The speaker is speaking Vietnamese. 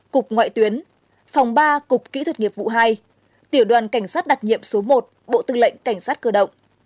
cục ngoại tuyến phòng ba cục kỹ thuật nghiệp vụ hai tiểu đoàn cảnh sát đặc nhiệm số một bộ tư lệnh cảnh sát cơ động